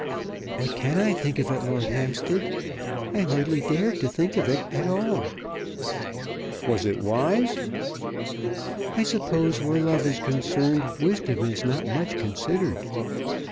"What can I think of it, Lord Hampstead? I hardly dare to think of it at all." "Was it wise?" "I suppose where love is concerned wisdom is not much considered."